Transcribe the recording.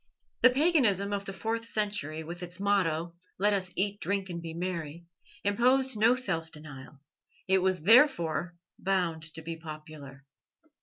The paganism of the fourth century, with its motto, "Let us eat, drink, and be merry," imposed no self denial; it was therefore bound to be popular.